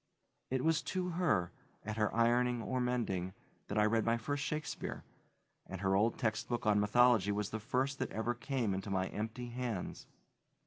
It was to her, at her ironing or mending, that I read my first Shakespeare', and her old textbook on mythology was the first that ever came into my empty hands.